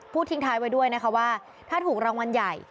ทิ้งท้ายไว้ด้วยนะคะว่าถ้าถูกรางวัลใหญ่